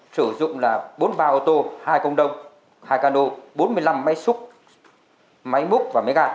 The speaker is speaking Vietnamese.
sử dụng là bốn mươi ba ô tô hai công đông hai cano bốn mươi năm máy xúc máy múc và máy gạt